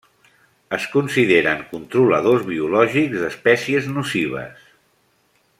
Es consideren controladors biològics d'espècies nocives.